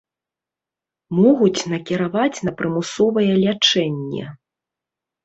Могуць накіраваць на прымусовае лячэнне.